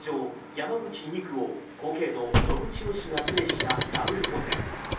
・山口２区を後継の信千世氏が制したダブル補選。